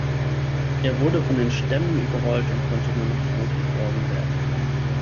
Er wurde von den Stämmen überrollt und konnte nur noch tot geborgen werden.